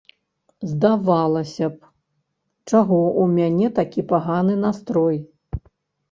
Здавалася б, чаго ў мяне такія паганы настрой?